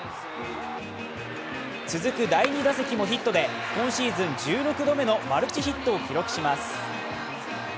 続く第２打席もヒットで今シーズン１６度目のマルチヒットを記録します。